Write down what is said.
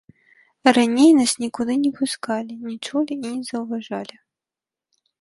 Раней нас нікуды не пускалі, не чулі і не заўважалі.